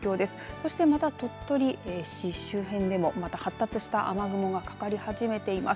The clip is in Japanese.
そして、また鳥取市周辺でも発達した雨雲がかかり始めています。